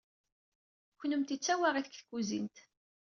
Kunemti d tawaɣit deg tkuzint.